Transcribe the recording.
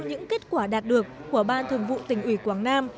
những kết quả đạt được của ban thường vụ tỉnh ủy quảng nam